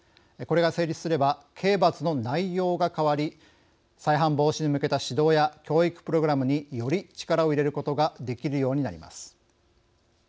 これが成立すれば刑罰の内容が変わり再犯防止に向けた指導や教育プログラムにより力を入れることができるようになります。